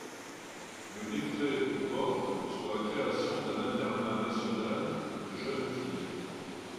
Le décret du porte sur la création d’un internat national de jeunes filles.